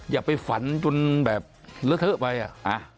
อย่าไปฝันจนแบบเลอะเทอะไปอ่ะ